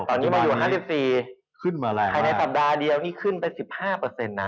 ตอนนี้มาอยู่๕๔ใครในสัปดาห์เดียวขึ้นไป๑๕เปอร์เซ็นต์